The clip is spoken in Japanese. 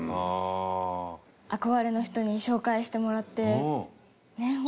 憧れの人に紹介してもらって。